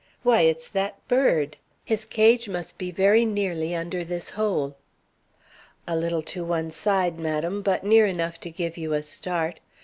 Why, it's that bird! His cage must be very nearly under this hole." "A little to one side, madam, but near enough to give you a start.